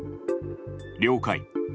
了解。